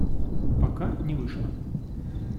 Пока не вышло.